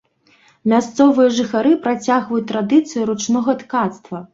Мясцовыя жыхары працягваюць традыцыі ручнога ткацтва.